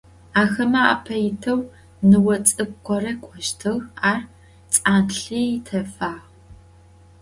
Axeme ape yiteu nıo ts'ık'u gore k'oştığ, ar ts'anlhi têfağ.